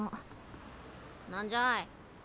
何じゃい。